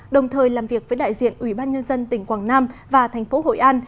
đồng thời làm việc với đại diện ủy ban nhân dân tỉnh quảng nam và thành phố hội an